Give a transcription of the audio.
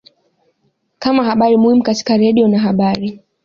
kama habari muhimu katika radio na habari